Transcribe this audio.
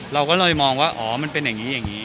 เราก็เลยมองว่าอ๋อมันเป็นอย่างนี้อย่างนี้